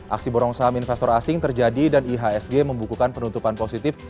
aksi borong saham investor asing terjadi dan ihsg membukukan penutupan positif